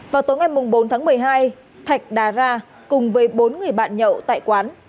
vào tối ngày bốn tháng một mươi hai thạch đà ra cùng với bốn người bạn nhậu tại quán